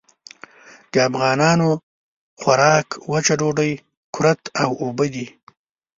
د افغانانو خوراک وچه ډوډۍ، کُرت او اوبه دي.